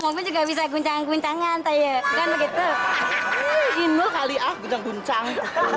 mobil juga bisa guncangan guncangan saya kan begitu ini kali aku jangan guncang